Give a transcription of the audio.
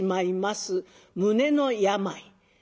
胸の病。